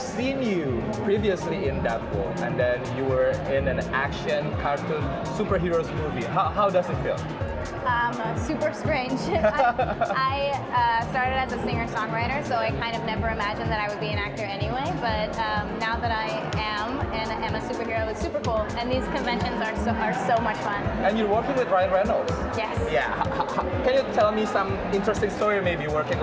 sebelum memerankan negasonic ada persiapan fisik yang dijalani brianna